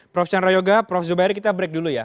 prof chandra yoga prof zubairi kita break dulu ya